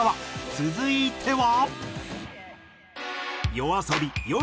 続いては。